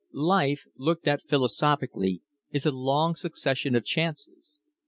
Life, looked at philosophically, is a long succession of chances.